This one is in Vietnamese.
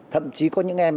thậm chí có những em